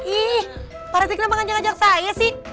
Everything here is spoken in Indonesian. ih pak rete kenapa ngajak ngajak saya sih